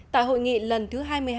tại hội nghị lần thứ hai mươi hai